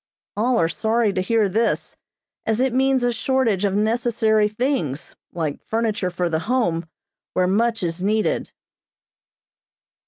All are sorry to hear this, as it means a shortage of necessary things, like furniture for the Home, where much is needed.